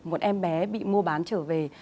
một em bé bị mua bán trở về